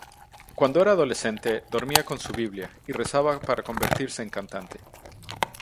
Cuando era adolescente, dormía con su Biblia y rezaba para convertirse en cantante.